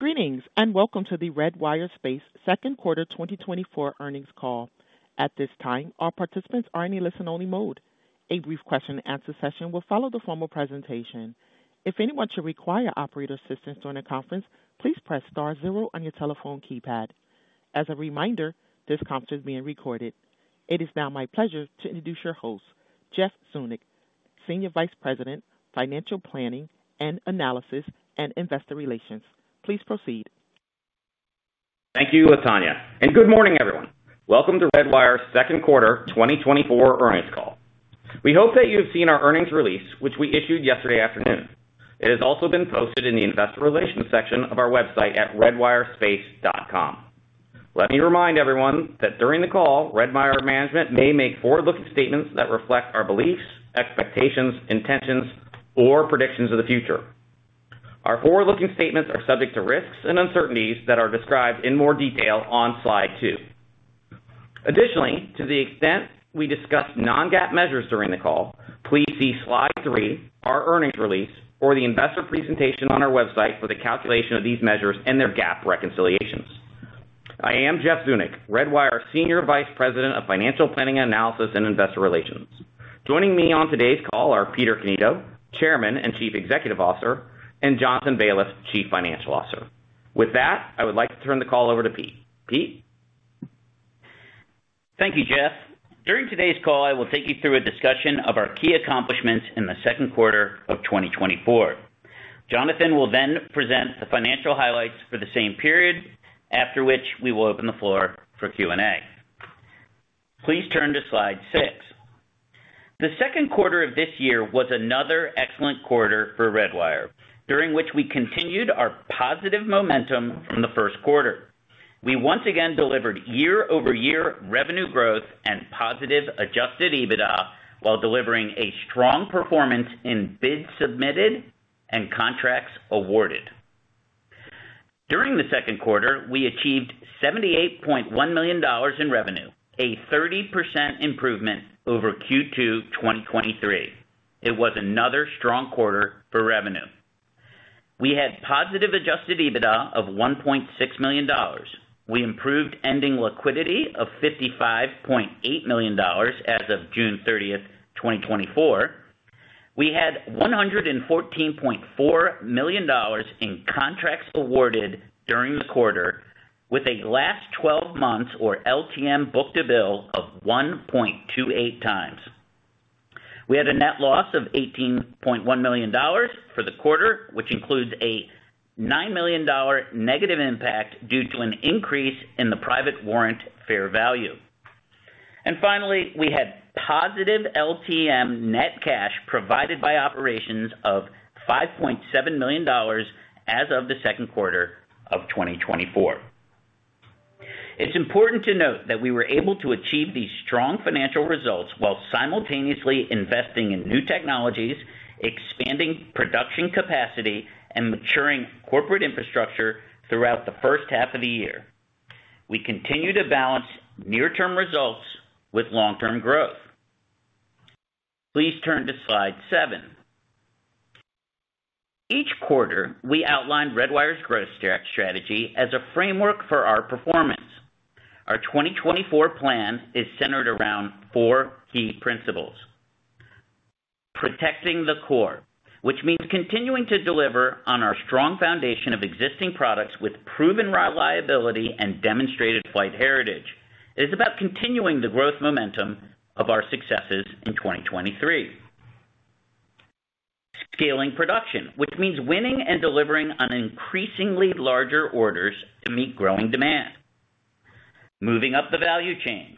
Greetings, and welcome to the Redwire Space second quarter 2024 earnings call. At this time, all participants are in a listen-only mode. A brief question and answer session will follow the formal presentation. If anyone should require operator assistance during the conference, please press star zero on your telephone keypad. As a reminder, this conference is being recorded. It is now my pleasure to introduce your host, Jeff Zeunik, Senior Vice President, Financial Planning and Analysis and Investor Relations. Please proceed. Thank you, Latonya, and good morning, everyone. Welcome to Redwire's second quarter 2024 earnings call. We hope that you've seen our earnings release, which we issued yesterday afternoon. It has also been posted in the Investor Relations section of our website at redwirespace.com. Let me remind everyone that during the call, Redwire management may make forward-looking statements that reflect our beliefs, expectations, intentions, or predictions of the future. Our forward-looking statements are subject to risks and uncertainties that are described in more detail on slide two. Additionally, to the extent we discuss non-GAAP measures during the call, please see slide three, our earnings release, or the investor presentation on our website for the calculation of these measures and their GAAP reconciliations. I am Jeff Zeunik, Redwire Senior Vice President of Financial Planning, Analysis, and Investor Relations. Joining me on today's call are Peter Cannito, Chairman and Chief Executive Officer, and Jonathan Baliff, Chief Financial Officer. With that, I would like to turn the call over to Pete. Pete? Thank you, Jeff. During today's call, I will take you through a discussion of our key accomplishments in the second quarter of 2024. Jonathan will then present the financial highlights for the same period, after which we will open the floor for Q&A. Please turn to slide six. The second quarter of this year was another excellent quarter for Redwire, during which we continued our positive momentum from the first quarter. We once again delivered year-over-year revenue growth and positive Adjusted EBITDA, while delivering a strong performance in bids submitted and contracts awarded. During the second quarter, we achieved $78.1 million in revenue, a 30% improvement over Q2 2023. It was another strong quarter for revenue. We had positive Adjusted EBITDA of $1.6 million. We improved ending liquidity of $55.8 million as of June 30th, 2024. We had $114.4 million in contracts awarded during the quarter, with a last 12 months or LTM book-to-bill of 1.28 times. We had a net loss of $18.1 million for the quarter, which includes a $9 million negative impact due to an increase in the private warrant fair value. Finally, we had positive LTM net cash provided by operations of $5.7 million as of the second quarter of 2024. It's important to note that we were able to achieve these strong financial results while simultaneously investing in new technologies, expanding production capacity, and maturing corporate infrastructure throughout the first half of the year. We continue to balance near-term results with long-term growth. Please turn to slide seven. Each quarter, we outline Redwire's growth strategy as a framework for our performance. Our 2024 plan is centered around four key principles: protecting the core, which means continuing to deliver on our strong foundation of existing products with proven reliability and demonstrated flight heritage. It is about continuing the growth momentum of our successes in 2023. Scaling production, which means winning and delivering on increasingly larger orders to meet growing demand. Moving up the value chain.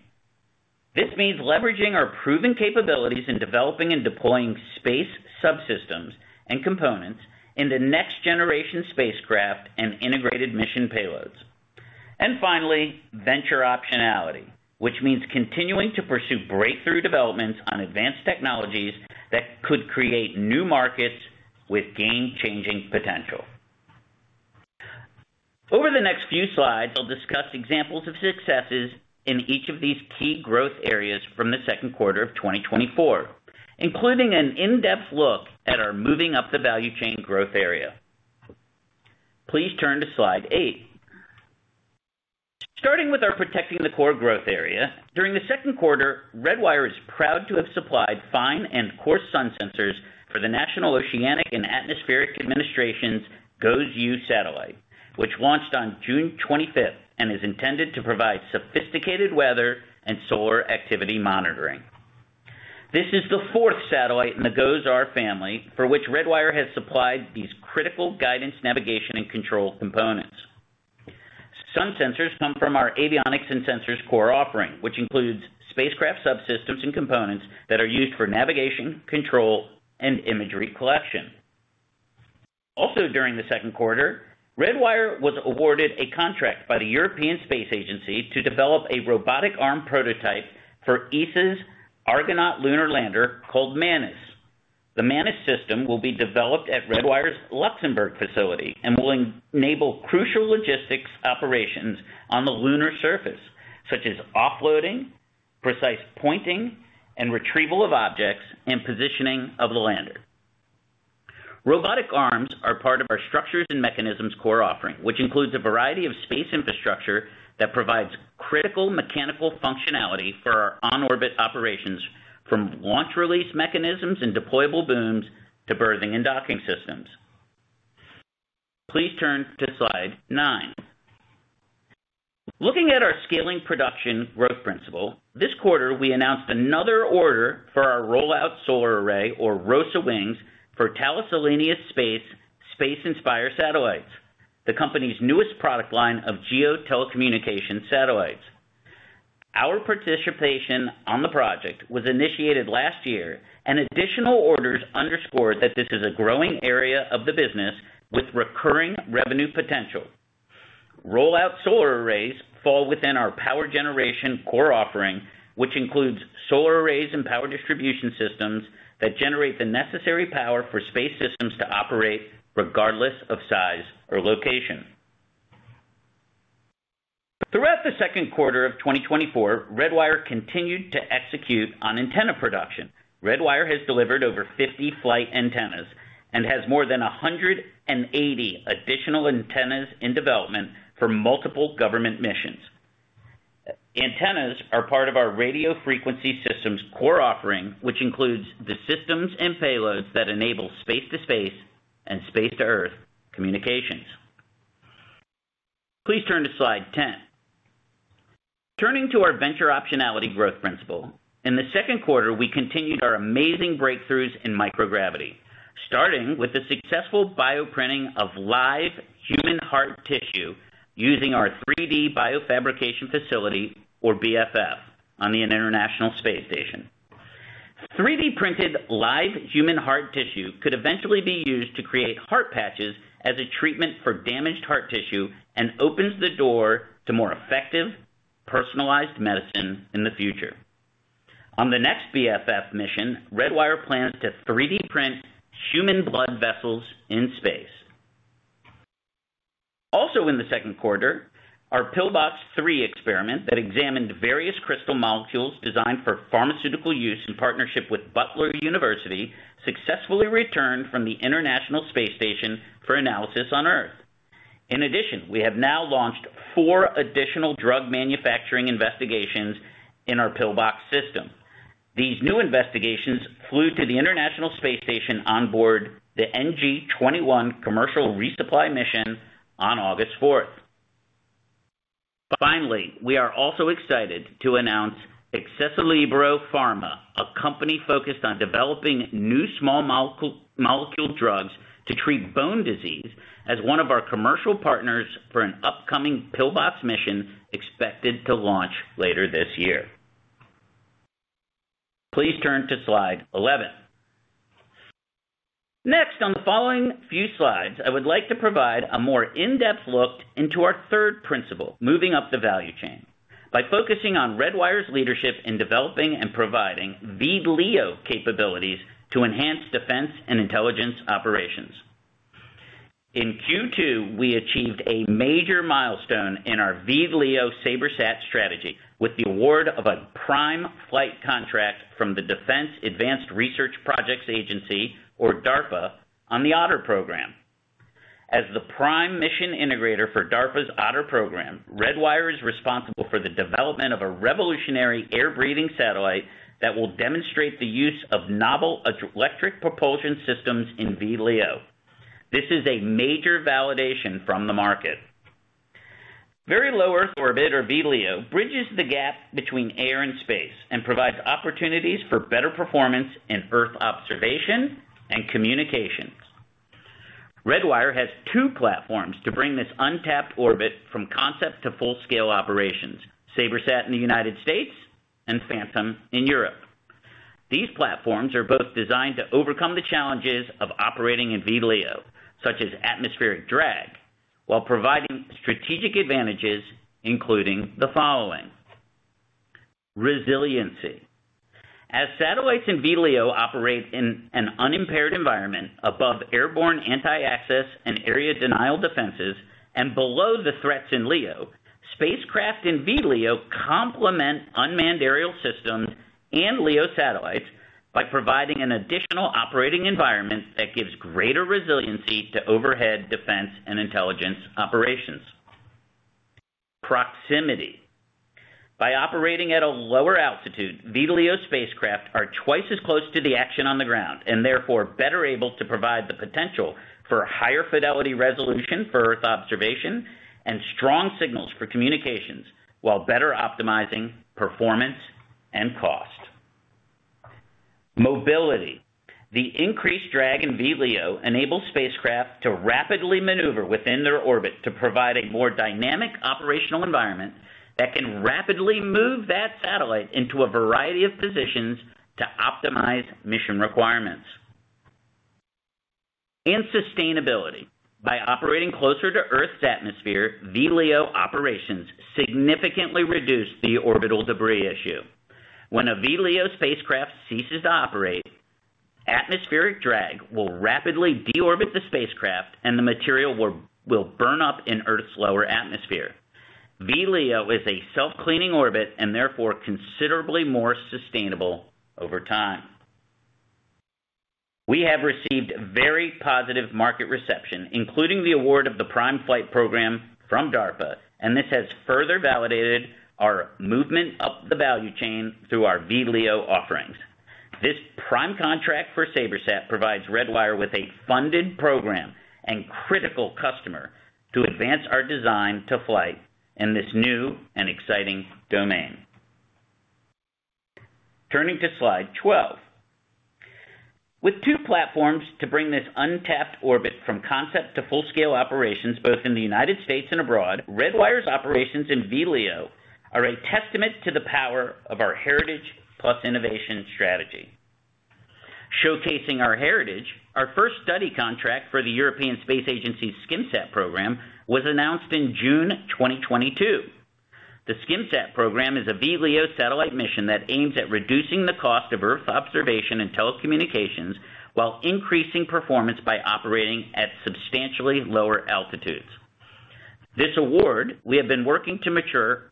This means leveraging our proven capabilities in developing and deploying space subsystems and components into next-generation spacecraft and integrated mission payloads. And finally, venture optionality, which means continuing to pursue breakthrough developments on advanced technologies that could create new markets with game-changing potential. Over the next few slides, I'll discuss examples of successes in each of these key growth areas from the second quarter of 2024, including an in-depth look at our moving up the value chain growth area. Please turn to slide eight. Starting with our protecting the core growth area, during the second quarter, Redwire is proud to have supplied fine and coarse sun sensors for the National Oceanic and Atmospheric Administration's GOES-U satellite, which launched on June 25th and is intended to provide sophisticated weather and solar activity monitoring. This is the fourth satellite in the GOES-R family, for which Redwire has supplied these critical guidance, navigation, and control components. Sun sensors come from our avionics and sensors core offering, which includes spacecraft subsystems and components that are used for navigation, control, and imagery collection. Also, during the second quarter, Redwire was awarded a contract by the European Space Agency to develop a robotic arm prototype for ESA's Argonaut lunar lander called MANOS. The MANOS system will be developed at Redwire's Luxembourg facility and will enable crucial logistics operations on the lunar surface, such as offloading, precise pointing and retrieval of objects and positioning of the lander. Robotic arms are part of our structures and mechanisms core offering, which includes a variety of space infrastructure that provides critical mechanical functionality for our on-orbit operations, from launch release mechanisms and deployable booms to berthing and docking systems. Please turn to slide nine. Looking at our scaling production growth principle, this quarter, we announced another order for our Roll-Out Solar Array, or ROSA, wings for Thales Alenia Space, Space INSPIRE satellites, the company's newest product line of GEO telecommunication satellites. Our participation on the project was initiated last year, and additional orders underscore that this is a growing area of the business with recurring revenue potential. Roll-out solar arrays fall within our power generation core offering, which includes solar arrays and power distribution systems that generate the necessary power for space systems to operate, regardless of size or location. Throughout the second quarter of 2024, Redwire continued to execute on antenna production. Redwire has delivered over 50 flight antennas and has more than 180 additional antennas in development for multiple government missions. Antennas are part of our radiofrequency systems core offering, which includes the systems and payloads that enable space-to-space and space-to-Earth communications. Please turn to slide 10. Turning to our venture optionality growth principle, in the second quarter, we continued our amazing breakthroughs in microgravity, starting with the successful bioprinting of live human heart tissue using our 3D BioFabrication Facility, or BFF, on the International Space Station. 3D-printed live human heart tissue could eventually be used to create heart patches as a treatment for damaged heart tissue and opens the door to more effective, personalized medicine in the future. On the next BFF mission, Redwire plans to 3D print human blood vessels in space. Also in the second quarter, our PIL-BOX-03 experiment that examined various crystal molecules designed for pharmaceutical use in partnership with Butler University, successfully returned from the International Space Station for analysis on Earth. In addition, we have now launched four additional drug manufacturing investigations in our PIL-BOX system. These new investigations flew to the International Space Station on board the NG-21 commercial resupply mission on August 4th. Finally, we are also excited to announce ExesaLibero Pharma, a company focused on developing new small molecule, molecule drugs to treat bone disease, as one of our commercial partners for an upcoming PIL-BOX mission, expected to launch later this year. Please turn to slide 11. Next, on the following few slides, I would like to provide a more in-depth look into our third principle, moving up the value chain, by focusing on Redwire's leadership in developing and providing VLEO capabilities to enhance defense and intelligence operations. In Q2, we achieved a major milestone in our VLEO SabreSat strategy, with the award of a prime flight contract from the Defense Advanced Research Projects Agency, or DARPA, on the Otter program. As the prime mission integrator for DARPA's Otter program, Redwire is responsible for the development of a revolutionary air-breathing satellite that will demonstrate the use of novel electric propulsion systems in VLEO. This is a major validation from the market. Very low Earth orbit, or VLEO, bridges the gap between air and space and provides opportunities for better performance in Earth observation and communications. Redwire has two platforms to bring this untapped orbit from concept to full-scale operations: SabreSat in the United States and Phantom in Europe. These platforms are both designed to overcome the challenges of operating in VLEO, such as atmospheric drag, while providing strategic advantages, including the following. Resiliency. As satellites in VLEO operate in an unimpaired environment above airborne anti-access and area denial defenses and below the threats in LEO, spacecraft in VLEO complement unmanned aerial systems and LEO satellites by providing an additional operating environment that gives greater resiliency to overhead defense and intelligence operations. Proximity. By operating at a lower altitude, VLEO spacecraft are twice as close to the action on the ground and therefore better able to provide the potential for higher fidelity resolution for Earth observation and strong signals for communications, while better optimizing performance and cost. Mobility. The increased drag in VLEO enables spacecraft to rapidly maneuver within their orbit to provide a more dynamic operational environment that can rapidly move that satellite into a variety of positions to optimize mission requirements. And sustainability. By operating closer to Earth's atmosphere, VLEO operations significantly reduce the orbital debris issue. When a VLEO spacecraft ceases to operate, atmospheric drag will rapidly deorbit the spacecraft and the material will burn up in Earth's lower atmosphere. VLEO is a self-cleaning orbit and therefore considerably more sustainable over time. We have received very positive market reception, including the award of the Prime Flight Program from DARPA, and this has further validated our movement up the value chain through our VLEO offerings. This prime contract for SabreSat provides Redwire with a funded program and critical customer to advance our design to flight in this new and exciting domain. Turning to slide 12. With two platforms to bring this untapped orbit from concept to full-scale operations, both in the United States and abroad, Redwire's operations in VLEO are a testament to the power of our heritage plus innovation strategy. Showcasing our heritage, our first study contract for the European Space Agency's SkimSat program was announced in June 2022. The SkimSat program is a VLEO satellite mission that aims at reducing the cost of Earth observation and telecommunications, while increasing performance by operating at substantially lower altitudes. With this award, we have been working to mature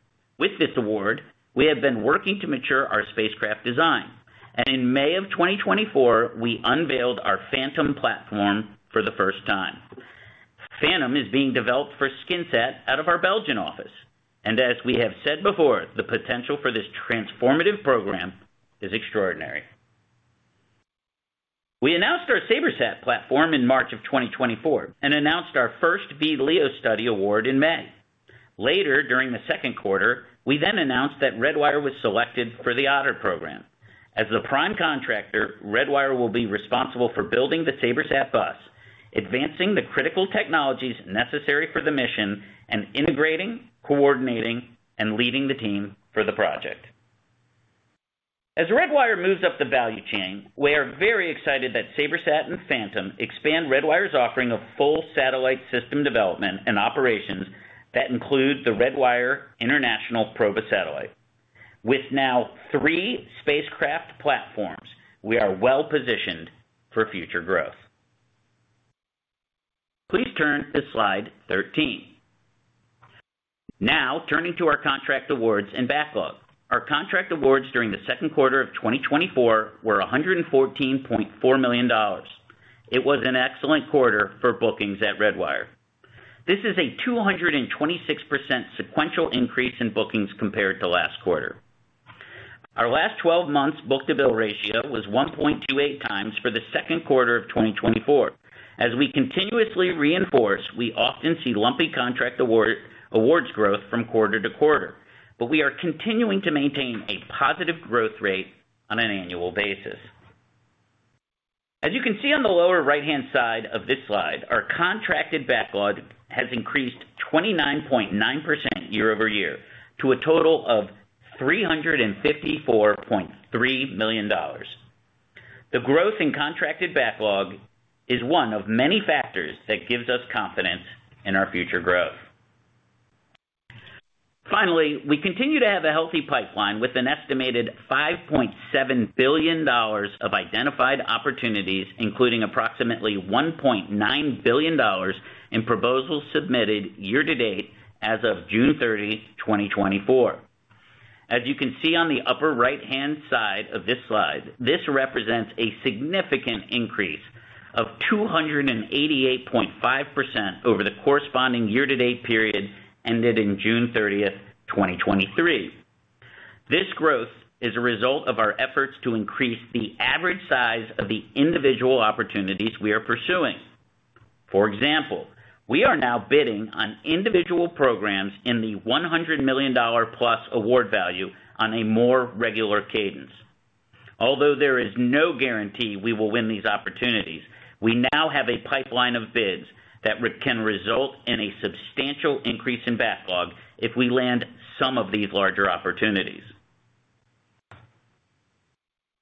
our spacecraft design, and in May of 2024, we unveiled our Phantom platform for the first time. Phantom is being developed for SkimSat out of our Belgian office, and as we have said before, the potential for this transformative program is extraordinary. We announced our SabreSat platform in March of 2024 and announced our first VLEO study award in May. Later, during the second quarter, we then announced that Redwire was selected for the Otter program. As the prime contractor, Redwire will be responsible for building the SabreSat bus, advancing the critical technologies necessary for the mission, and integrating, coordinating, and leading the team for the project. As Redwire moves up the value chain, we are very excited that SabreSat and Phantom expand Redwire's offering of full satellite system development and operations that include the Redwire International PROBA satellite. With now three spacecraft platforms, we are well positioned for future growth. Please turn to slide 13. Now, turning to our contract awards and backlog. Our contract awards during the second quarter of 2024 were $114.4 million. It was an excellent quarter for bookings at Redwire. This is a 226% sequential increase in bookings compared to last quarter. Our last 12 months book-to-bill ratio was 1.28 times for the second quarter of 2024. As we continuously reinforce, we often see lumpy contract award, awards growth from quarter to quarter, but we are continuing to maintain a positive growth rate on an annual basis. As you can see on the lower right-hand side of this slide, our contracted backlog has increased 29.9% year-over-year, to a total of $354.3 million. The growth in contracted backlog is one of many factors that gives us confidence in our future growth. Finally, we continue to have a healthy pipeline with an estimated $5.7 billion of identified opportunities, including approximately $1.9 billion in proposals submitted year-to-date as of June 30th, 2024. As you can see on the upper right-hand side of this slide, this represents a significant increase of 288.5% over the corresponding year-to-date period ended in June 30th, 2023. This growth is a result of our efforts to increase the average size of the individual opportunities we are pursuing. For example, we are now bidding on individual programs in the $100 million+ award value on a more regular cadence. Although there is no guarantee we will win these opportunities, we now have a pipeline of bids that can result in a substantial increase in backlog if we land some of these larger opportunities.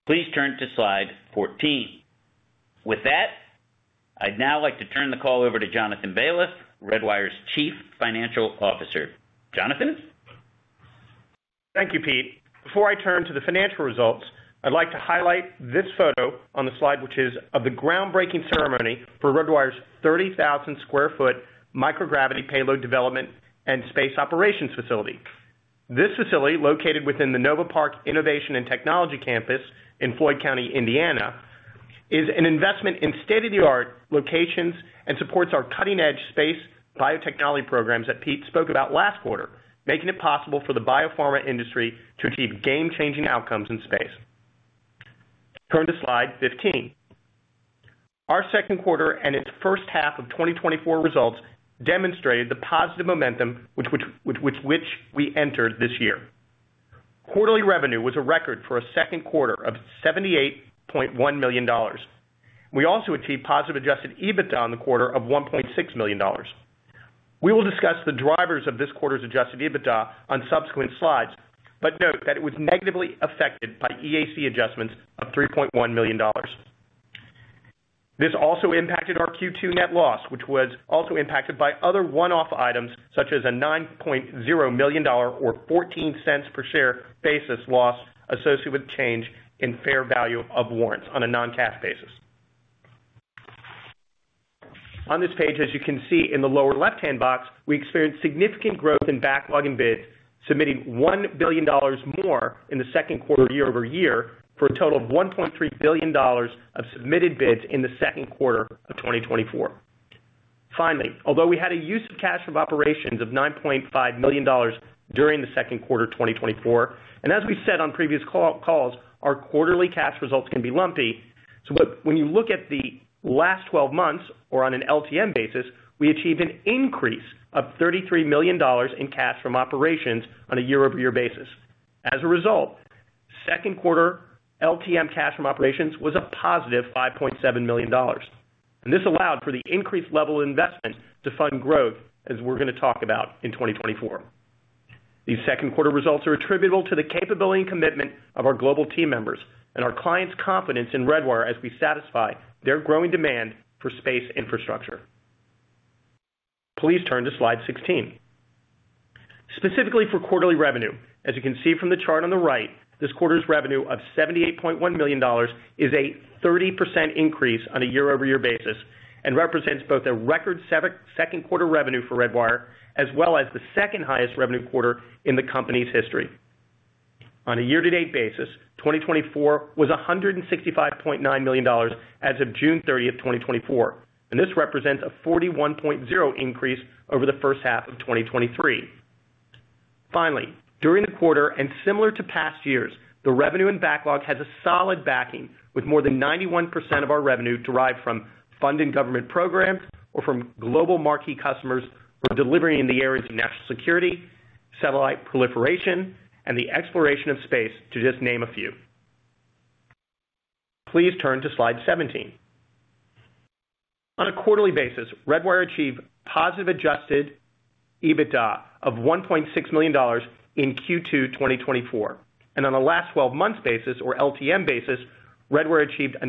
Please turn to slide 14. With that, I'd now like to turn the call over to Jonathan Baliff, Redwire's Chief Financial Officer. Jonathan? Thank you, Pete. Before I turn to the financial results, I'd like to highlight this photo on the slide, which is of the groundbreaking ceremony for Redwire's 30,000 sq ft microgravity payload development and space operations facility. This facility, located within the Novaparke Innovation and Technology Campus in Floyd County, Indiana, is an investment in state-of-the-art locations and supports our cutting-edge space biotechnology programs that Pete spoke about last quarter, making it possible for the biopharma industry to achieve game-changing outcomes in space. Turn to slide 15. Our second quarter and its first half of 2024 results demonstrated the positive momentum with which we entered this year. Quarterly revenue was a record for a second quarter of $78.1 million. We also achieved positive Adjusted EBITDA in the quarter of $1.6 million. We will discuss the drivers of this quarter's Adjusted EBITDA on subsequent slides, but note that it was negatively affected by EAC adjustments of $3.1 million. This also impacted our Q2 net loss, which was also impacted by other one-off items, such as a $9.0 million or 14 cents per share basis loss associated with change in fair value of warrants on a non-cash basis. On this page, as you can see in the lower left-hand box, we experienced significant growth in backlogging bids, submitting $1 billion more in the second quarter year-over-year, for a total of $1.3 billion of submitted bids in the second quarter of 2024. Finally, although we had a use of cash from operations of $9.5 million during the second quarter 2024, and as we said on previous call, calls, our quarterly cash results can be lumpy. So but when you look at the last twelve months or on an LTM basis, we achieved an increase of $33 million in cash from operations on a year-over-year basis. As a result, second quarter LTM cash from operations was a positive $5.7 million, and this allowed for the increased level of investment to fund growth, as we're going to talk about in 2024. These second quarter results are attributable to the capability and commitment of our global team members and our clients' confidence in Redwire as we satisfy their growing demand for space infrastructure. Please turn to slide 16. Specifically for quarterly revenue, as you can see from the chart on the right, this quarter's revenue of $78.1 million is a 30% increase on a year-over-year basis, and represents both a record second quarter revenue for Redwire, as well as the second highest revenue quarter in the company's history. On a year-to-date basis, 2024 was $165.9 million as of June 30th, 2024, and this represents a 41.0% increase over the first half of 2023. Finally, during the quarter, and similar to past years, the revenue and backlog has a solid backing, with more than 91% of our revenue derived from funding government programs or from global marquee customers who are delivering in the areas of national security, satellite proliferation, and the exploration of space, to just name a few. Please turn to slide 17. On a quarterly basis, Redwire achieved positive Adjusted EBITDA of $1.6 million in Q2 2024, and on a last 12 months basis, or LTM basis, Redwire achieved a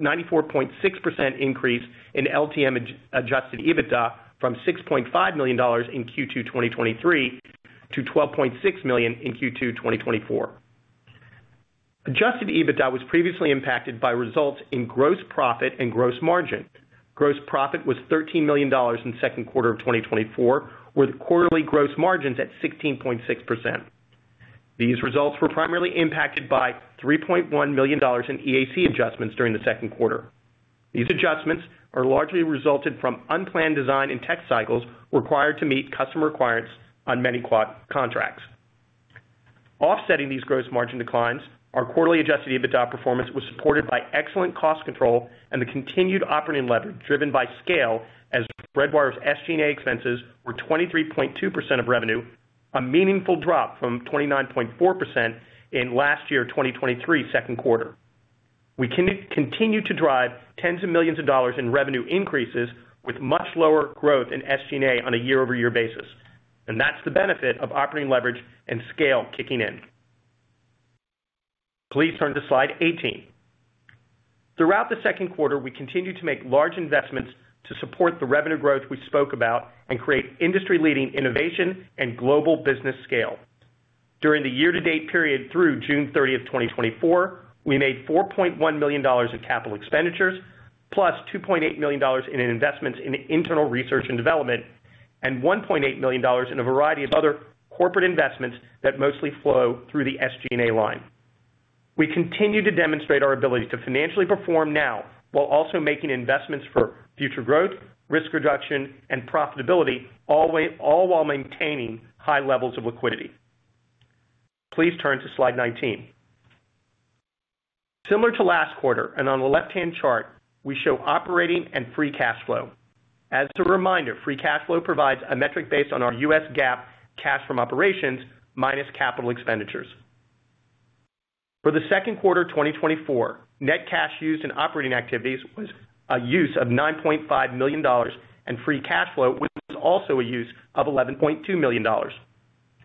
94.6% increase in LTM Adjusted EBITDA from $6.5 million in Q2 2023 to $12.6 million in Q2 2024. Adjusted EBITDA was previously impacted by results in gross profit and gross margin. Gross profit was $13 million in the second quarter of 2024, with quarterly gross margins at 16.6%. These results were primarily impacted by $3.1 million in EAC adjustments during the second quarter. These adjustments are largely resulted from unplanned design and tech cycles required to meet customer requirements on many quad contracts. Offsetting these gross margin declines, our quarterly Adjusted EBITDA performance was supported by excellent cost control and the continued operating leverage driven by scale, as Redwire's SG&A expenses were 23.2% of revenue, a meaningful drop from 29.4% in last year, 2023, second quarter. We continue to drive $10s of millions in revenue increases, with much lower growth in SG&A on a year-over-year basis, and that's the benefit of operating leverage and scale kicking in. Please turn to slide 18. Throughout the second quarter, we continued to make large investments to support the revenue growth we spoke about and create industry-leading innovation and global business scale. During the year-to-date period through June 30th, 2024, we made $4.1 million in capital expenditures, +$2.8 million in investments in internal research and development, and $1.8 million in a variety of other corporate investments that mostly flow through the SG&A line. We continue to demonstrate our ability to financially perform now while also making investments for future growth, risk reduction, and profitability, all the while maintaining high levels of liquidity. Please turn to slide 19. Similar to last quarter, and on the left-hand chart, we show operating and free cash flow. As a reminder, free cash flow provides a metric based on our U.S. GAAP cash from operations, minus capital expenditures. For the second quarter 2024, net cash used in operating activities was a use of $9.5 million, and free cash flow was also a use of $11.2 million.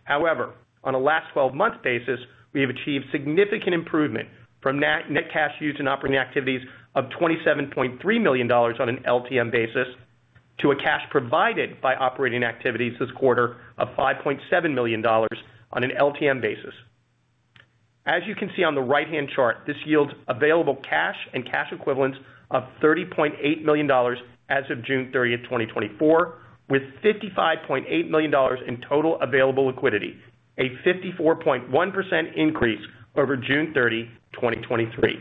However, on a last 12 months basis, we have achieved significant improvement from net cash used in operating activities of $27.3 million on an LTM basis, to a cash provided by operating activities this quarter of $5.7 million on an LTM basis. As you can see on the right-hand chart, this yields available cash and cash equivalents of $30.8 million as of June 30th, 2024, with $55.8 million in total available liquidity, a 54.1% increase over June 30, 2023.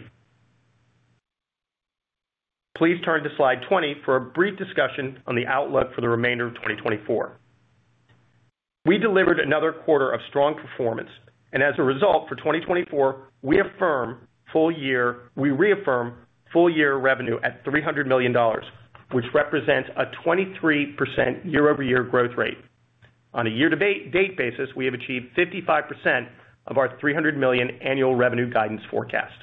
Please turn to slide 20 for a brief discussion on the outlook for the remainder of 2024. We delivered another quarter of strong performance, and as a result, for 2024, we affirm full year, we reaffirm full year revenue at $300 million, which represents a 23% year-over-year growth rate. On a year-to-date basis, we have achieved 55% of our $300 million annual revenue guidance forecast.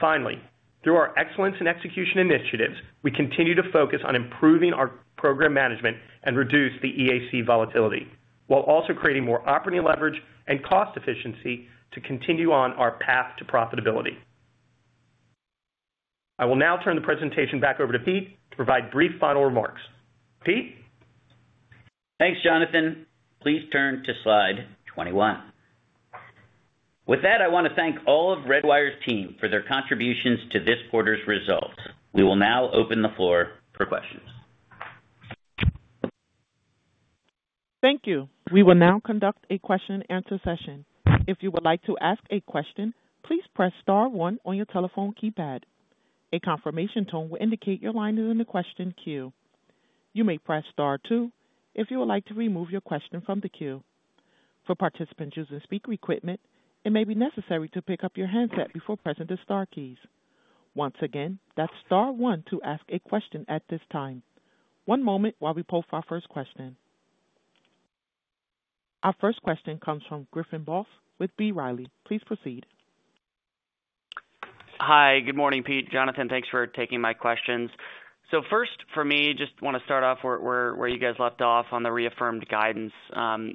Finally, through our excellence in execution initiatives, we continue to focus on improving our program management and reduce the EAC volatility, while also creating more operating leverage and cost efficiency to continue on our path to profitability. I will now turn the presentation back over to Pete to provide brief final remarks. Pete? Thanks, Jonathan. Please turn to slide 21. With that, I want to thank all of Redwire's team for their contributions to this quarter's results. We will now open the floor for questions. Thank you. We will now conduct a question-and-answer session. If you would like to ask a question, please press star one on your telephone keypad. A confirmation tone will indicate your line is in the question queue. You may press star two if you would like to remove your question from the queue. For participants using speaker equipment, it may be necessary to pick up your handset before pressing the star keys. Once again, that's star one to ask a question at this time. One moment while we poll for our first question. Our first question comes from Griffin Boss with B. Riley. Please proceed. Hi, good morning, Pete, Jonathan, thanks for taking my questions. So first for me, just want to start off where you guys left off on the reaffirmed guidance.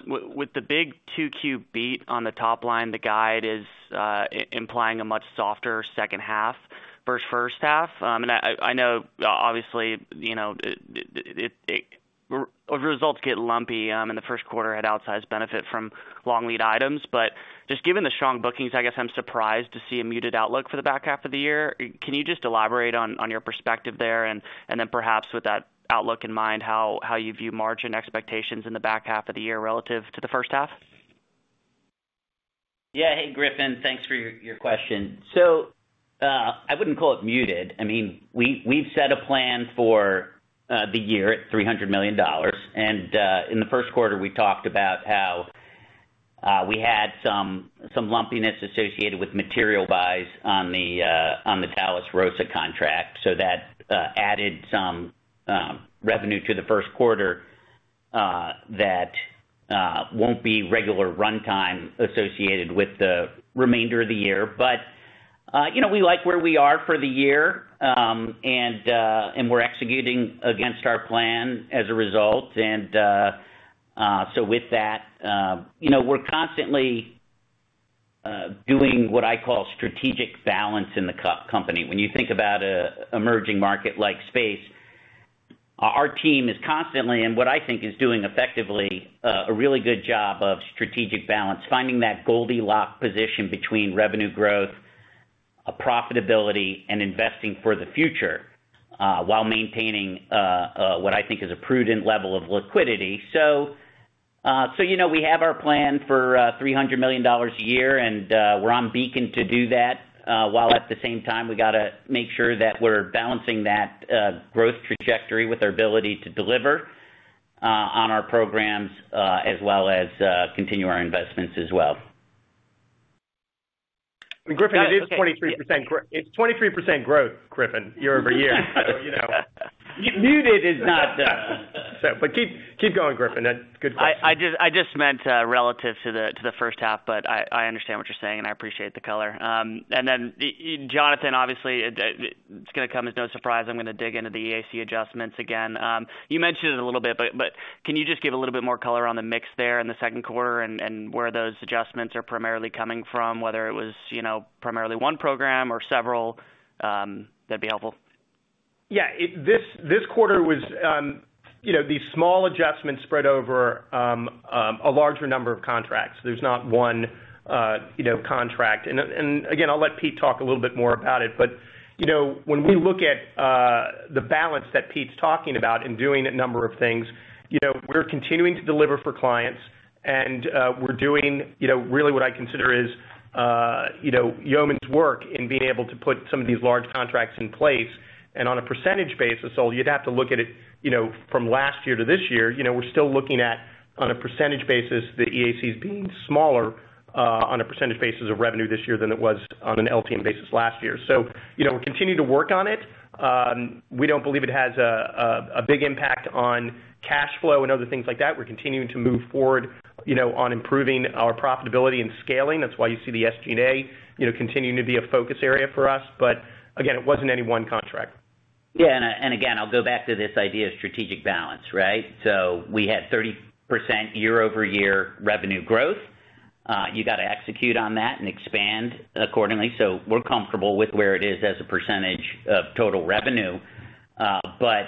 With the big 2Q beat on the top line, the guide is implying a much softer second half versus first half. And I know obviously, you know, results get lumpy. In the first quarter had outsized benefit from long lead items. But just given the strong bookings, I guess I'm surprised to see a muted outlook for the back half of the year. Can you just elaborate on your perspective there, and then perhaps with that outlook in mind, how you view margin expectations in the back half of the year relative to the first half? Yeah. Hey, Griffin, thanks for your question. So, I wouldn't call it muted. I mean, we, we've set a plan for the year at $300 million, and in the first quarter, we talked about how we had some lumpiness associated with material buys on the Thales ROSA contract. So that added some revenue to the first quarter that won't be regular runtime associated with the remainder of the year. But you know, we like where we are for the year, and we're executing against our plan as a result. And so with that you know, we're constantly doing what I call strategic balance in the company. When you think about an emerging market like space, our team is constantly, and what I think is doing effectively, a really good job of strategic balance, finding that Goldilocks position between revenue growth, profitability, and investing for the future, while maintaining what I think is a prudent level of liquidity. So, you know, we have our plan for $300 million a year, and we're on track to do that, while at the same time, we got to make sure that we're balancing that growth trajectory with our ability to deliver on our programs as well as continue our investments as well. Griffin, it is 23% growth, Griffin, year-over-year. Muted is not. But keep, keep going, Griffin. That's a good question. I just meant relative to the first half, but I understand what you're saying, and I appreciate the color. And then, Jonathan, obviously, it's going to come as no surprise. I'm going to dig into the EAC adjustments again. You mentioned it a little bit, but can you just give a little bit more color on the mix there in the second quarter and where those adjustments are primarily coming from, whether it was, you know, primarily one program or several, that'd be helpful. Yeah, it this quarter was, you know, these small adjustments spread over a larger number of contracts. There's not one, you know, contract. And again, I'll let Pete talk a little bit more about it. But, you know, when we look at the balance that Pete's talking about in doing a number of things, you know, we're continuing to deliver for clients, and we're doing, you know, really what I consider is, you know, yeoman's work in being able to put some of these large contracts in place. And on a percentage basis, so you'd have to look at it, you know, from last year to this year, you know, we're still looking at, on a percentage basis, the EACs being smaller, on a percentage basis of revenue this year than it was on an LTM basis last year. So, you know, we're continuing to work on it. We don't believe it has a big impact on cash flow and other things like that. We're continuing to move forward, you know, on improving our profitability and scaling. That's why you see the SG&A, you know, continuing to be a focus area for us. But again, it wasn't any one contract. Yeah, and again, I'll go back to this idea of strategic balance, right? So we had 30% year-over-year revenue growth. You got to execute on that and expand accordingly. So we're comfortable with where it is as a percentage of total revenue. But,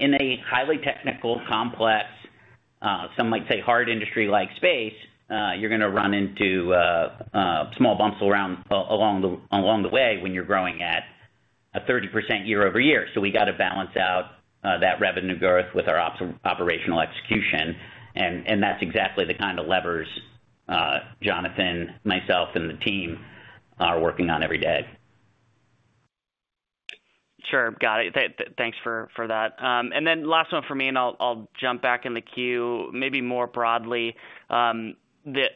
in a highly technical, complex, some might say, hard industry like space, you're going to run into small bumps along the way when you're growing at a 30% year-over-year. So we got to balance out that revenue growth with our operational execution, and that's exactly the kind of levers Jonathan, myself, and the team are working on every day. Sure. Got it. Thanks for that. And then last one for me, and I'll jump back in the queue. Maybe more broadly, the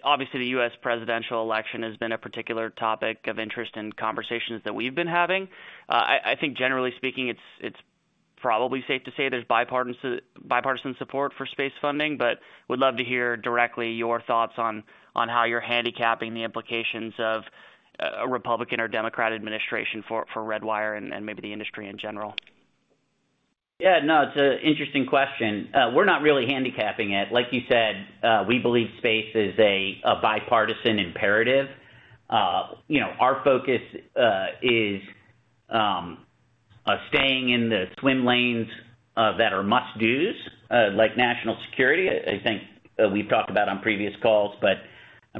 obviously, the U.S. presidential election has been a particular topic of interest in conversations that we've been having. I think generally speaking, it's probably safe to say there's bipartisan support for space funding, but would love to hear directly your thoughts on how you're handicapping the implications of a Republican or Democrat administration for Redwire and maybe the industry in general. Yeah, no, it's an interesting question. We're not really handicapping it. Like you said, we believe space is a bipartisan imperative. You know, our focus is staying in the swim lanes that are must-dos, like national security. I think we've talked about on previous calls, but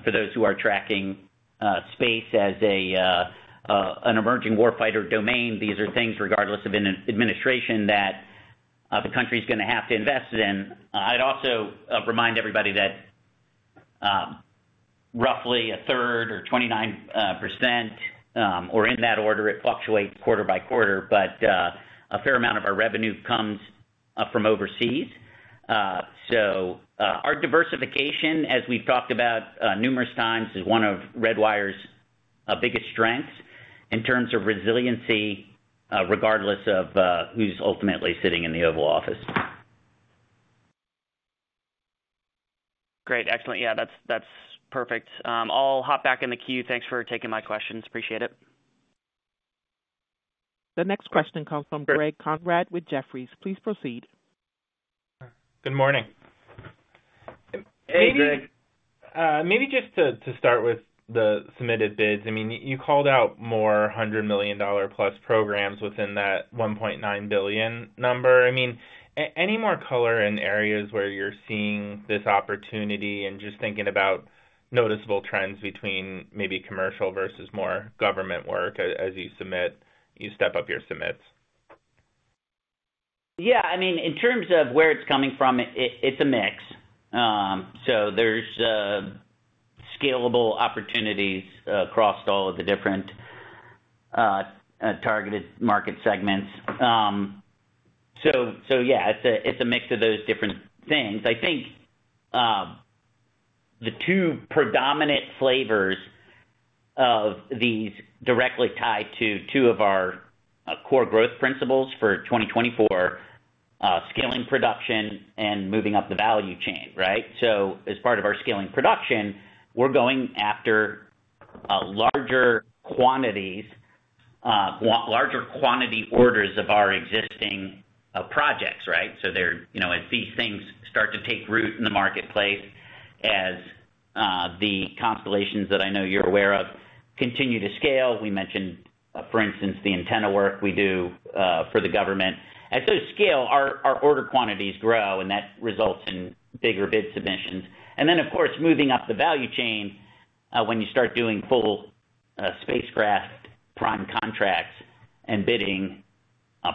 for those who are tracking space as an emerging warfighter domain, these are things, regardless of an administration, that the country's gonna have to invest in. I'd also remind everybody that roughly a third or 29%, or in that order, it fluctuates quarter by quarter, but a fair amount of our revenue comes from overseas. So, our diversification, as we've talked about, numerous times, is one of Redwire's biggest strengths in terms of resiliency, regardless of who's ultimately sitting in the Oval Office. Great, excellent. Yeah, that's, that's perfect. I'll hop back in the queue. Thanks for taking my questions. Appreciate it. The next question comes from Greg Konrad with Jefferies. Please proceed. Good morning. Hey, Greg. Maybe just to start with the submitted bids. I mean, you called out more than $100 million+ programs within that $1.9 billion number. I mean, any more color in areas where you're seeing this opportunity and just thinking about noticeable trends between maybe commercial versus more government work as you submit—you step up your submits? Yeah, I mean, in terms of where it's coming from, it's a mix. So there's scalable opportunities across all of the different targeted market segments. So yeah, it's a mix of those different things. I think, the two predominant flavors of these directly tie to two of our core growth principles for 2024, scaling production and moving up the value chain, right? So as part of our scaling production, we're going after larger quantities, larger quantity orders of our existing projects, right? So they're, you know, as these things start to take root in the marketplace, the constellations that I know you're aware of continue to scale. We mentioned, for instance, the antenna work we do for the government. As those scale, our order quantities grow, and that results in bigger bid submissions. And then, of course, moving up the value chain, when you start doing full, spacecraft prime contracts and bidding,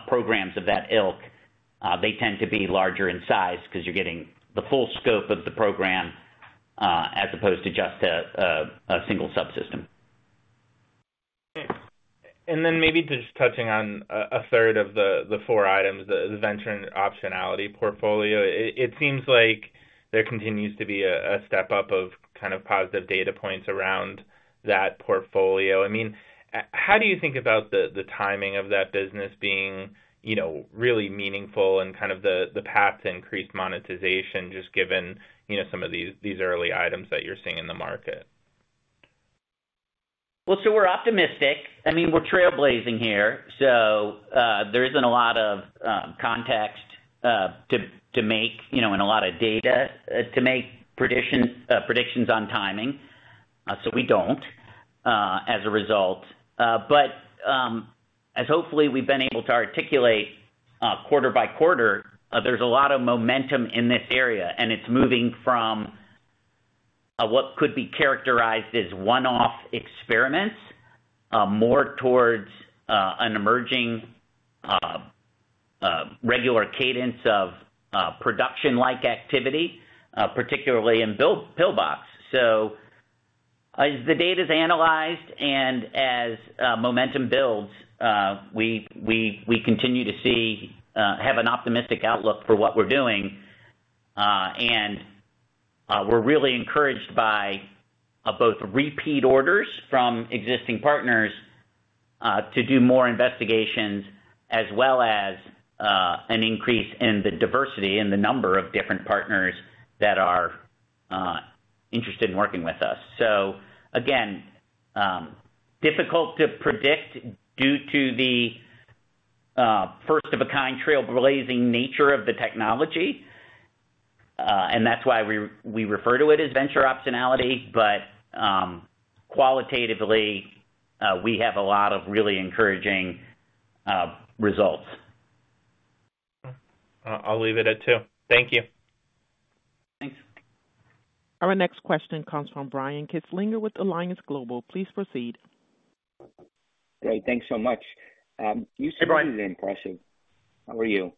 programs of that ilk, they tend to be larger in size because you're getting the full scope of the program, as opposed to just a single subsystem. And then maybe just touching on a third of the four items, the venture and optionality portfolio. It seems like there continues to be a step up of kind of positive data points around that portfolio. I mean, how do you think about the timing of that business being, you know, really meaningful and kind of the path to increased monetization, just given, you know, some of these early items that you're seeing in the market? Well, so we're optimistic. I mean, we're trailblazing here, so there isn't a lot of context to make, you know, and a lot of data to make predictions on timing, so we don't as a result. But as hopefully we've been able to articulate quarter by quarter, there's a lot of momentum in this area, and it's moving from what could be characterized as one-off experiments more towards a regular cadence of production-like activity, particularly in PIL-BOX. So as the data's analyzed and as momentum builds, we continue to have an optimistic outlook for what we're doing. We're really encouraged by both repeat orders from existing partners to do more investigations, as well as an increase in the diversity in the number of different partners that are interested in working with us. So again, difficult to predict due to the first of a kind, trailblazing nature of the technology, and that's why we refer to it as venture optionality. But qualitatively, we have a lot of really encouraging results. I'll leave it at two. Thank you. Thanks. Our next question comes from Brian Kinstlinger with Alliance Global. Please proceed. Great, thanks so much. Hey, Brian. How are you?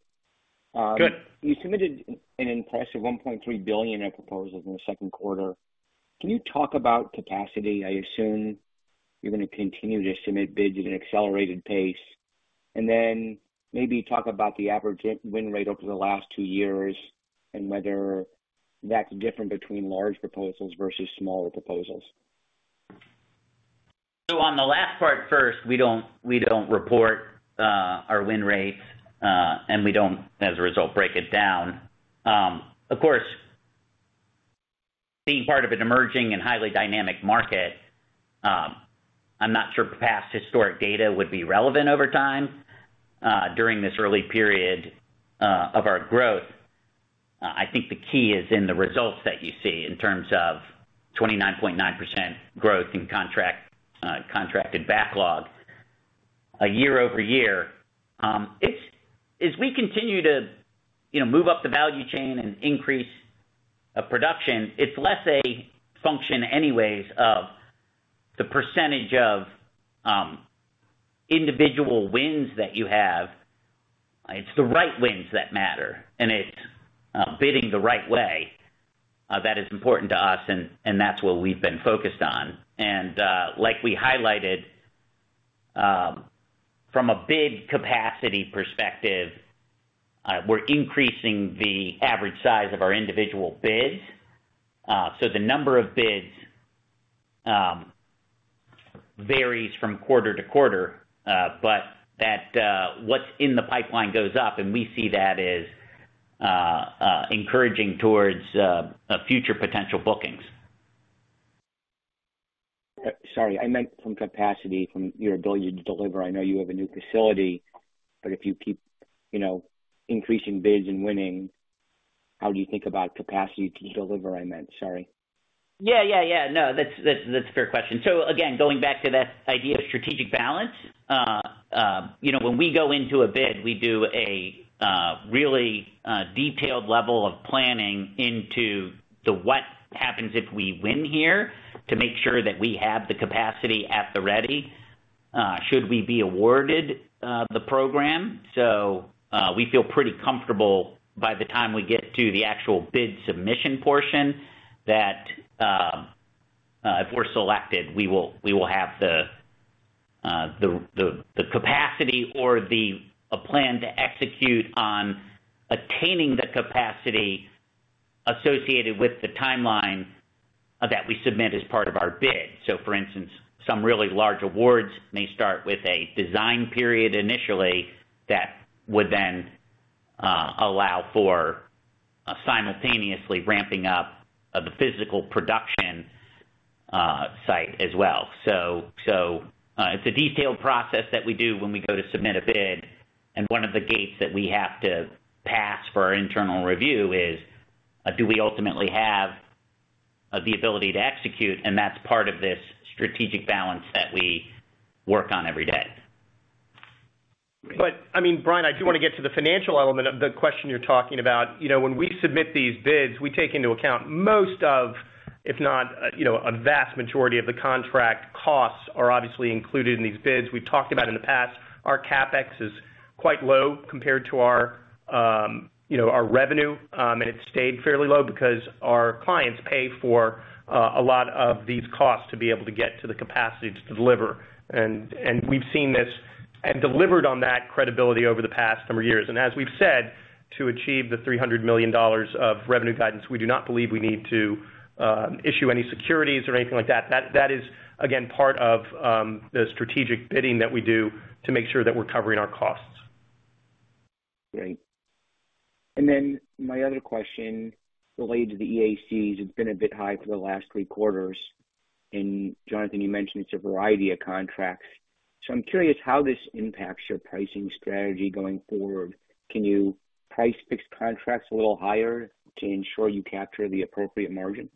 Good. You submitted an impressive $1.3 billion in proposals in the second quarter. Can you talk about capacity? I assume you're going to continue to submit bids at an accelerated pace. And then maybe talk about the average win rate over the last two years and whether that's different between large proposals versus smaller proposals. So on the last part first, we don't report our win rates, and we don't, as a result, break it down. Being part of an emerging and highly dynamic market, I'm not sure if past historic data would be relevant over time during this early period of our growth. I think the key is in the results that you see in terms of 29.9% growth in contracted backlog year-over-year. As we continue to, you know, move up the value chain and increase production, it's less a function anyways of the percentage of individual wins that you have. It's the right wins that matter, and it's bidding the right way that is important to us, and that's what we've been focused on. Like we highlighted, from a bid capacity perspective, we're increasing the average size of our individual bids. So the number of bids varies from quarter to quarter, but that, what's in the pipeline goes up, and we see that as encouraging towards a future potential bookings. Sorry, I meant from capacity, from your ability to deliver. I know you have a new facility, but if you keep, you know, increasing bids and winning, how do you think about capacity to deliver, I meant? Sorry. Yeah, yeah, yeah. No, that's a fair question. So again, going back to that idea of strategic balance, you know, when we go into a bid, we do a really detailed level of planning into what happens if we win here, to make sure that we have the capacity at the ready, should we be awarded the program. So, we feel pretty comfortable by the time we get to the actual bid submission portion, that if we're selected, we will have the capacity or a plan to execute on attaining the capacity associated with the timeline that we submit as part of our bid. So for instance, some really large awards may start with a design period initially, that would then allow for simultaneously ramping up the physical production site as well. So, it's a detailed process that we do when we go to submit a bid, and one of the gates that we have to pass for our internal review is, do we ultimately have the ability to execute? And that's part of this strategic balance that we work on every day. But I mean, Brian, I do wanna get to the financial element of the question you're talking about. You know, when we submit these bids, we take into account most of, if not, you know, a vast majority of the contract costs are obviously included in these bids. We've talked about in the past, our CapEx is quite low compared to our, you know, our revenue, and it's stayed fairly low because our clients pay for, a lot of these costs to be able to get to the capacity to deliver. And we've seen this and delivered on that credibility over the past number of years. And as we've said, to achieve the $300 million of revenue guidance, we do not believe we need to, issue any securities or anything like that. That, that is, again, part of, the strategic bidding that we do to make sure that we're covering our costs. Great. And then my other question related to the EACs, it's been a bit high for the last three quarters, and Jonathan, you mentioned it's a variety of contracts. So I'm curious how this impacts your pricing strategy going forward. Can you price fixed contracts a little higher to ensure you capture the appropriate margin?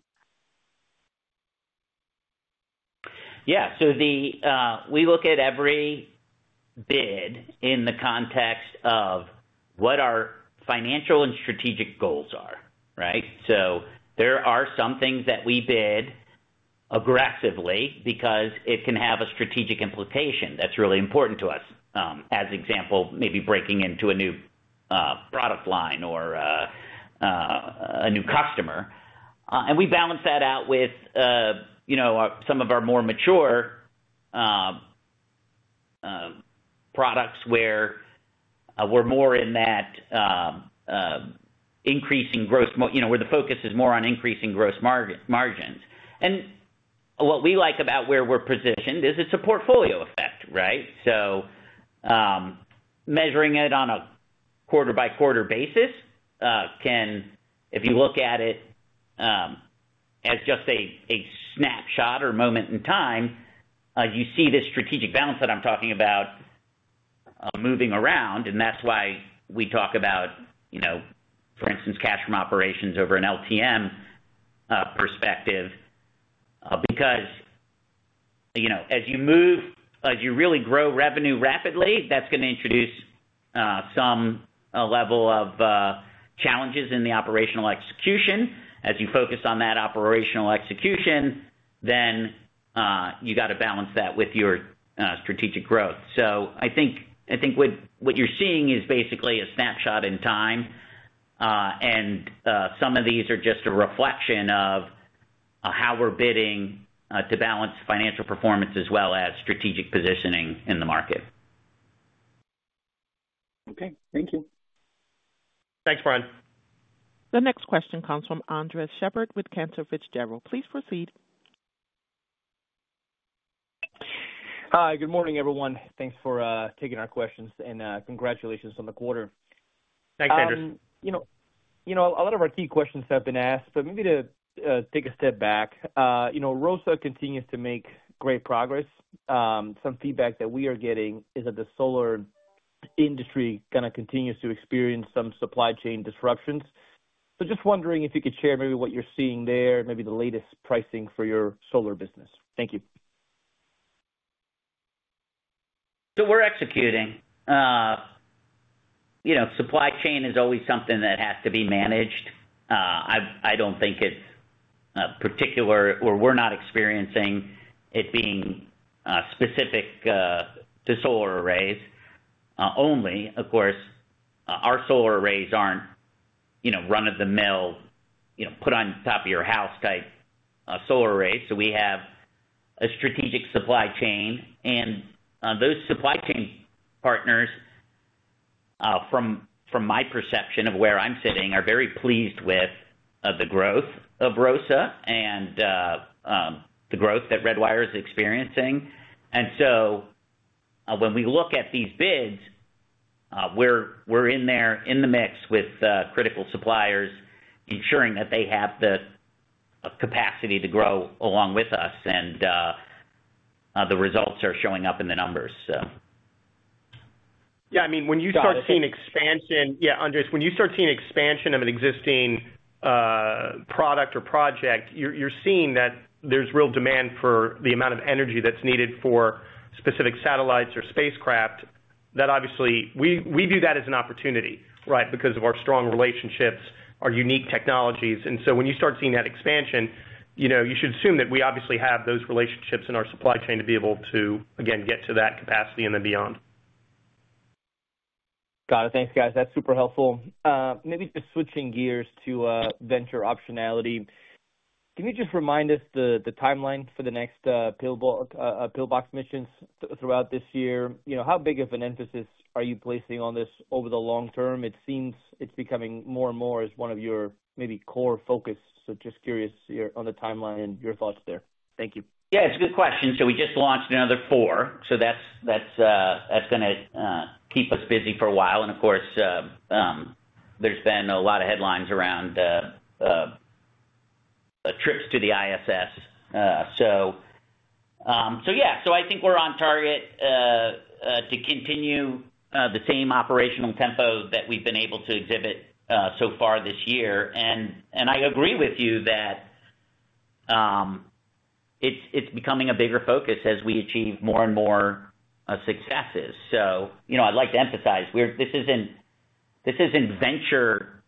Yeah. So we look at every bid in the context of what our financial and strategic goals are, right? So there are some things that we bid aggressively because it can have a strategic implication that's really important to us, as example, maybe breaking into a new product line or a new customer. And we balance that out with, you know, our some of our more mature products, where we're more in that increasing gross. You know, where the focus is more on increasing gross margins. And what we like about where we're positioned is it's a portfolio effect, right? So, measuring it on a quarter-by-quarter basis, if you look at it, as just a snapshot or moment in time, you see this strategic balance that I'm talking about, moving around, and that's why we talk about, you know, for instance, cash from operations over an LTM perspective. Because, you know, as you move, as you really grow revenue rapidly, that's gonna introduce some level of challenges in the operational execution. As you focus on that operational execution, then you got to balance that with your strategic growth. So I think, I think what, what you're seeing is basically a snapshot in time, and some of these are just a reflection of how we're bidding to balance financial performance as well as strategic positioning in the market. Okay, thank you. Thanks, Brian. The next question comes from Andres Sheppard with Cantor Fitzgerald. Please proceed. Hi, good morning, everyone. Thanks for taking our questions, and congratulations on the quarter. Thanks, Andres. You know, you know, a lot of our key questions have been asked, but maybe to take a step back. You know, ROSA continues to make great progress. Some feedback that we are getting is that the solar industry kind of continues to experience some supply chain disruptions. So just wondering if you could share maybe what you're seeing there, maybe the latest pricing for your solar business. Thank you. So we're executing. You know, supply chain is always something that has to be managed. I don't think it's particular or we're not experiencing it being specific to solar arrays only. Of course, our solar arrays aren't, you know, run-of-the-mill, you know, put on top of your house type solar arrays. So we have a strategic supply chain, and those supply chain partners, from my perception of where I'm sitting, are very pleased with the growth of ROSA and the growth that Redwire is experiencing. And so, when we look at these bids, we're in there in the mix with critical suppliers, ensuring that they have the capacity to grow along with us, and the results are showing up in the numbers, so. Yeah, I mean, when you start seeing expansion—yeah, Andres, when you start seeing expansion of an existing product or project, you're seeing that there's real demand for the amount of energy that's needed for specific satellites or spacecraft. That obviously... We view that as an opportunity, right? Because of our strong relationships, our unique technologies. And so when you start seeing that expansion, you know, you should assume that we obviously have those relationships in our supply chain to be able to, again, get to that capacity and then beyond. Got it. Thanks, guys. That's super helpful. Maybe just switching gears to venture optionality. Can you just remind us the timeline for the next PIL-BOX missions throughout this year? You know, how big of an emphasis are you placing on this over the long term? It seems it's becoming more and more as one of your maybe core focus. So just curious on the timeline and your thoughts there. Thank you. Yeah, it's a good question. So we just launched another four. So that's gonna keep us busy for a while. And of course, there's been a lot of headlines around trips to the ISS. So yeah. So I think we're on target to continue the same operational tempo that we've been able to exhibit so far this year. And I agree with you that it's becoming a bigger focus as we achieve more and more successes. So you know, I'd like to emphasize, we're, this isn't, this isn't venture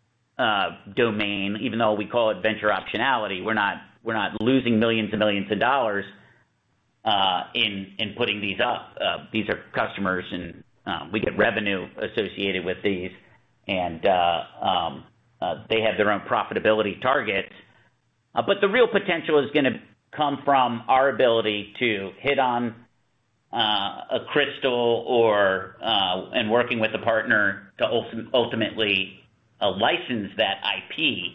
domain, even though we call it venture optionality. We're not, we're not losing millions and millions of dollars in putting these up. These are customers and we get revenue associated with these, and they have their own profitability targets. But the real potential is gonna come from our ability to hit on a crystal or and working with a partner to ultimately license that IP,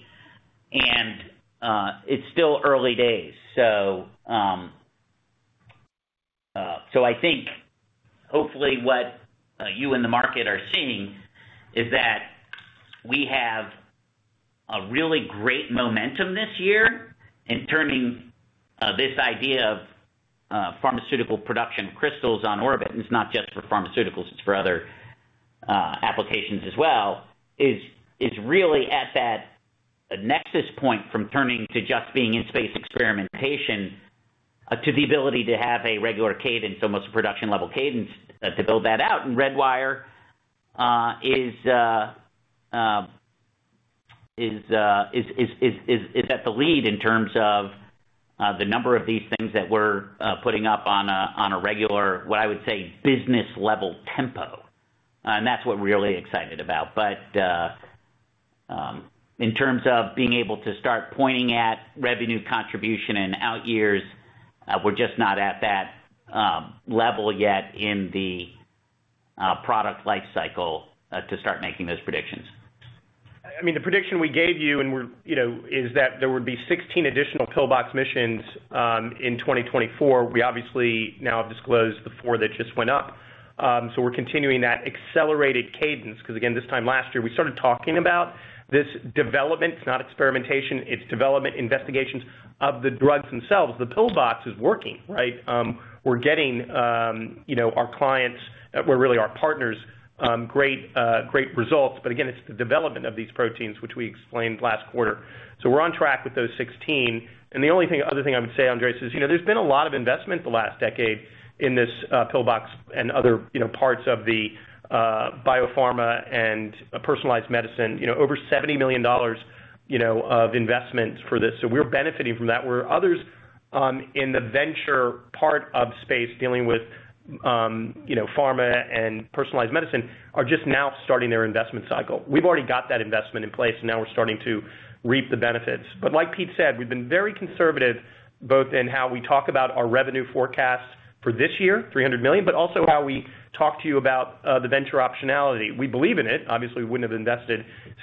and it's still early days. So I think hopefully what you and the market are seeing is that we have a really great momentum this year in turning this idea of pharmaceutical production crystals on orbit. And it's not just for pharmaceuticals, it's for other applications as well, is really at that nexus point from turning to just being in space experimentation to the ability to have a regular cadence, almost a production-level cadence to build that out. Redwire is at the lead in terms of the number of these things that we're putting up on a regular, what I would say, business-level tempo. And that's what we're really excited about. But in terms of being able to start pointing at revenue contribution and out years, we're just not at that level yet in the product life cycle to start making those predictions. I mean, the prediction we gave you, and we're, you know, is that there would be 16 additional PIL-BOX missions in 2024. We obviously now have disclosed the four that just went up. So we're continuing that accelerated cadence, because again, this time last year, we started talking about this development. It's not experimentation, it's development, investigations of the drugs themselves. The PIL-BOX is working, right? We're getting, you know, our clients... Well, really our partners, great, great results. But again, it's the development of these proteins, which we explained last quarter. So we're on track with those 16. And the only thing, other thing I would say, Andres, is, you know, there's been a lot of investment the last decade in this, PIL-BOX and other, you know, parts of the, biopharma and personalized medicine. You know, over $70 million, you know, of investments for this, so we're benefiting from that. Where others in the venture part of space, dealing with, you know, pharma and personalized medicine, are just now starting their investment cycle. We've already got that investment in place, and now we're starting to reap the benefits. But like Pete said, we've been very conservative, both in how we talk about our revenue forecast for this year, $300 million, but also how we talk to you about the venture optionality. We believe in it. Obviously, we wouldn't have invested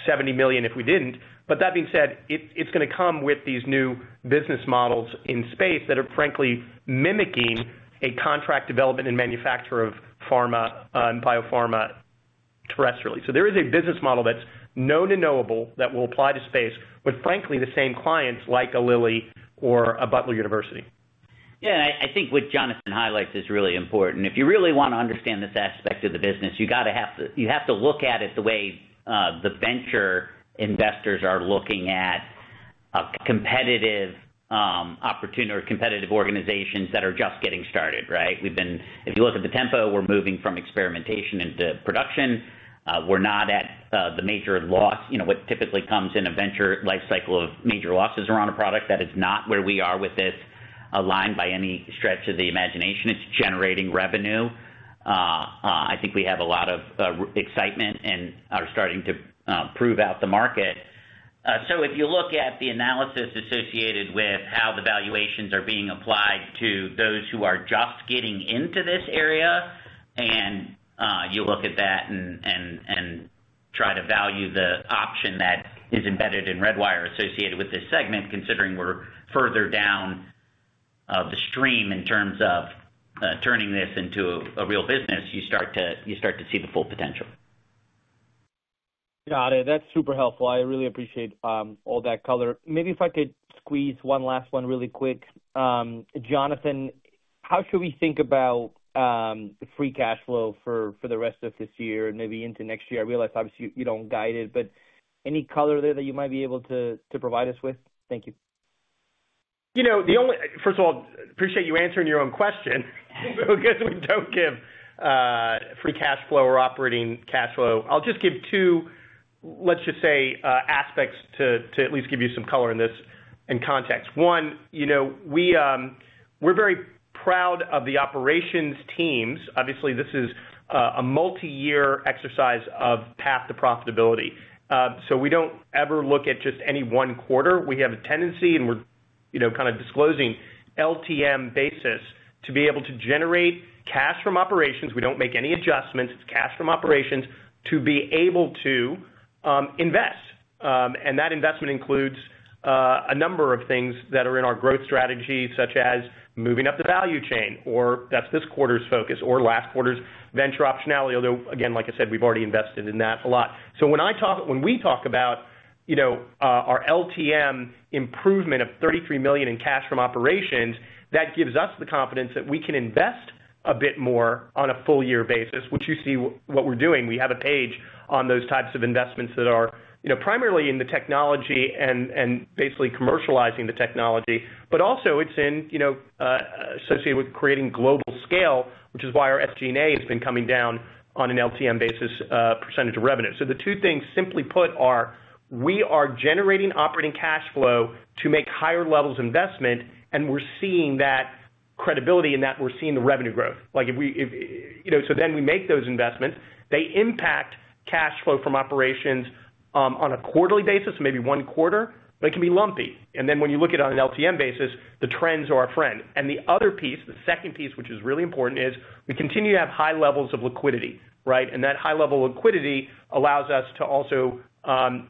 $70 million if we didn't. But that being said, it's gonna come with these new business models in space that are frankly mimicking a contract development and manufacture of pharma and biopharma terrestrially. There is a business model that's known and knowable that will apply to space, with frankly, the same clients like a Lilly or a Butler University. Yeah, I think what Jonathan highlights is really important. If you really want to understand this aspect of the business, you have to look at it the way the venture investors are looking at a competitive opportunity or competitive organizations that are just getting started, right? If you look at the tempo, we're moving from experimentation into production. We're not at the major loss, you know, what typically comes in a venture life cycle of major losses around a product. That is not where we are with this line by any stretch of the imagination. It's generating revenue. I think we have a lot of excitement and are starting to prove out the market. So if you look at the analysis associated with how the valuations are being applied to those who are just getting into this area, and you look at that and try to value the option that is embedded in Redwire, associated with this segment, considering we're further down the stream in terms of turning this into a real business, you start to see the full potential. Got it. That's super helpful. I really appreciate all that color. Maybe if I could squeeze one last one really quick. Jonathan, how should we think about the free cash flow for the rest of this year, maybe into next year? I realize, obviously, you don't guide it, but any color there that you might be able to provide us with? Thank you. You know, First of all, appreciate you answering your own question, because we don't give free cash flow or operating cash flow. I'll just give two, let's just say, aspects to at least give you some color in this and context. One, you know, we, we're very proud of the operations teams. Obviously, this is a multiyear exercise of path to profitability. So we don't ever look at just any one quarter. We have a tendency, and we're, you know, kind of disclosing LTM basis to be able to generate cash from operations. We don't make any adjustments. It's cash from operations to be able to invest. And that investment includes a number of things that are in our growth strategy, such as moving up the value chain, or that's this quarter's focus or last quarter's venture optionality. Although, again, like I said, we've already invested in that a lot. So when we talk about, you know, our LTM improvement of $33 million in cash from operations, that gives us the confidence that we can invest a bit more on a full year basis, which you see what we're doing. We have a page on those types of investments that are, you know, primarily in the technology and basically commercializing the technology. But also it's in, you know, associated with creating global scale, which is why our SG&A has been coming down on an LTM basis, percentage of revenue. So the two things, simply put, are, we are generating operating cash flow to make higher levels of investment, and we're seeing that credibility, and that we're seeing the revenue growth. Like, if we -- You know, so then we make those investments, they impact cash flow from operations on a quarterly basis, maybe one quarter, but it can be lumpy. And then when you look at it on an LTM basis, the trends are our friend. And the other piece, the second piece, which is really important, is we continue to have high levels of liquidity, right? And that high level of liquidity allows us to also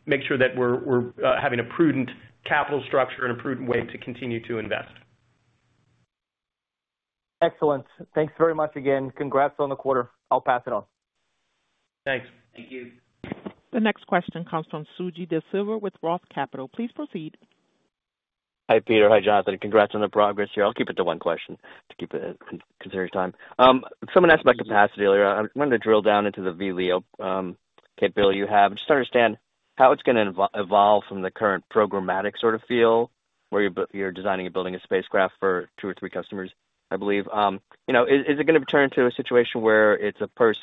make sure that we're having a prudent capital structure and a prudent way to continue to invest. Excellent. Thanks very much again. Congrats on the quarter. I'll pass it on. Thanks. Thank you. The next question comes from Suji Desilva with Roth Capital. Please proceed. Hi, Peter. Hi, Jonathan. Congrats on the progress here. I'll keep it to one question to keep it, considering time. Someone asked about capacity earlier. I'm going to drill down into the VLEO capability you have. Just to understand how it's gonna evolve from the current programmatic sort of feel, where you're designing and building a spacecraft for two or three customers, I believe. You know, is it gonna turn into a situation where it's a per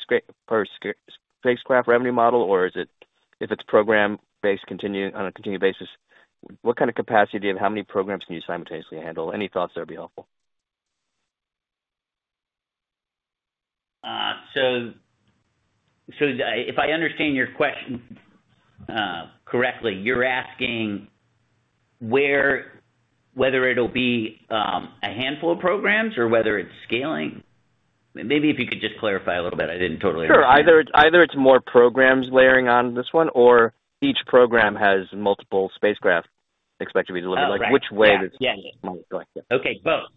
spacecraft revenue model, or is it, if it's program-based, continuing, on a continued basis, what kind of capacity of how many programs can you simultaneously handle? Any thoughts that would be helpful. So, if I understand your question correctly, you're asking whether it'll be a handful of programs or whether it's scaling? Maybe if you could just clarify a little bit. I didn't totally understand. Sure. Either it's more programs layering on this one, or each program has multiple spacecraft expected to be delivered. Oh, right. Like, which way this might go again? Okay, both.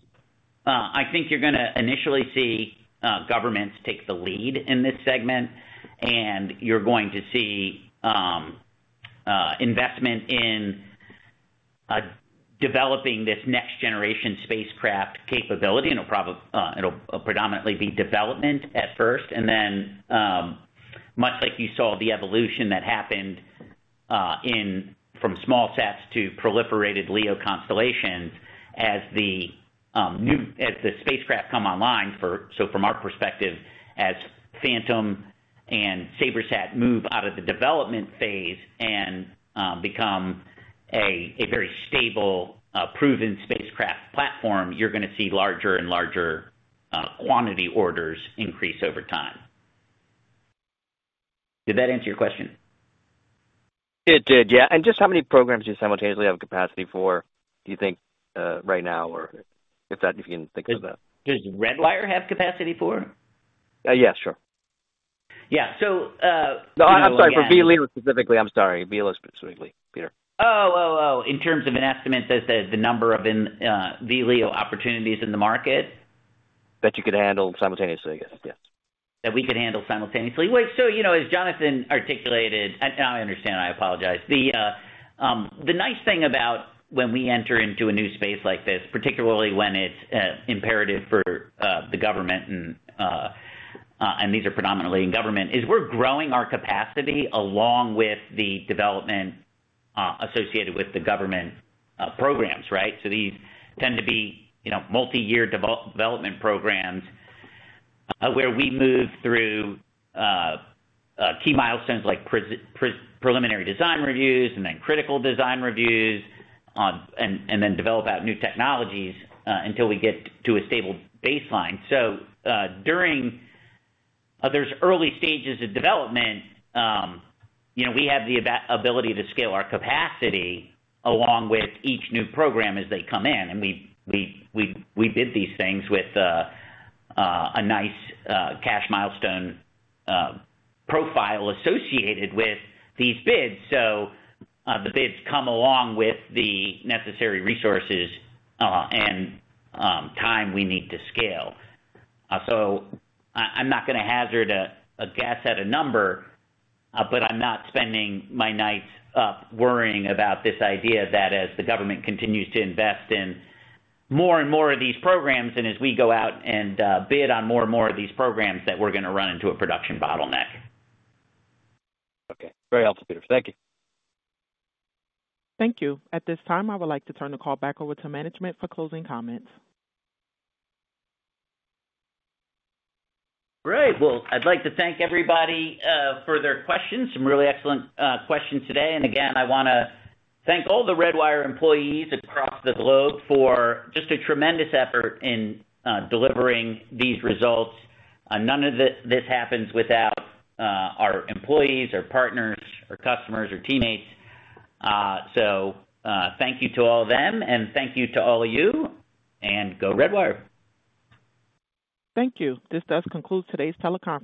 I think you're gonna initially see governments take the lead in this segment, and you're going to see investment in developing this next generation spacecraft capability, and it'll predominantly be development at first. And then, much like you saw the evolution that happened in from smallsats to proliferated LEO constellations as the spacecraft come online for... So from our perspective, as Phantom and SabreSat move out of the development phase and become a very stable proven spacecraft platform, you're gonna see larger and larger quantity orders increase over time. Did that answer your question? It did, yeah. And just how many programs do you simultaneously have capacity for, do you think, right now, or if that, if you can think of that? Does Redwire have capacity for? Yeah, sure. Yeah. So. No, I'm sorry, for VLEO specifically. I'm sorry. VLEO specifically, Peter. Oh, oh, oh. In terms of an estimate that the number of in VLEO opportunities in the market? That you could handle simultaneously, I guess, yes. That we could handle simultaneously? Well, so, you know, as Jonathan articulated, I understand, I apologize. The nice thing about when we enter into a new space like this, particularly when it's imperative for the government and these are predominantly in government, is we're growing our capacity along with the development associated with the government programs, right? So these tend to be, you know, multiyear development programs, where we move through key milestones like preliminary design reviews, and then critical design reviews, and then develop out new technologies, until we get to a stable baseline. So, during those early stages of development, you know, we have the ability to scale our capacity along with each new program as they come in. And we bid these things with a nice cash milestone profile associated with these bids. So, the bids come along with the necessary resources and time we need to scale. So I, I'm not gonna hazard a guess at a number, but I'm not spending my nights up worrying about this idea that as the government continues to invest in more and more of these programs, and as we go out and bid on more and more of these programs, that we're gonna run into a production bottleneck. Okay. Very helpful, Peter. Thank you. Thank you. At this time, I would like to turn the call back over to management for closing comments. Great. Well, I'd like to thank everybody for their questions. Some really excellent questions today. And again, I wanna thank all the Redwire employees across the globe for just a tremendous effort in delivering these results. None of this happens without our employees, our partners, our customers, our teammates. So, thank you to all of them, and thank you to all of you, and go Redwire. Thank you. This does conclude today's teleconference.